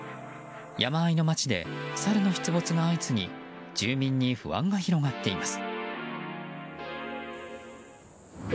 山あいの街でサルの出没が相次ぎ住民に不安が広がっています。